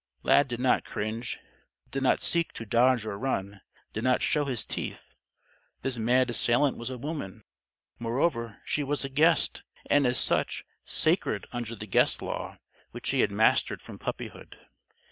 Lad did not cringe did not seek to dodge or run did not show his teeth. This mad assailant was a woman. Moreover, she was a guest, and as such, sacred under the Guest Law which he had mastered from puppyhood.